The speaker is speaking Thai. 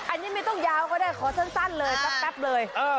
อันนี้ไม่ต้องยาวก็ได้ขอสั้นเลยแป๊บเลย